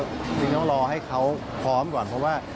จริงต้องรอให้เขาพร้อมก่อนเพราะว่า